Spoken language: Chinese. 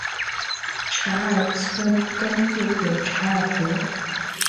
查尔村东部有嚓尔河。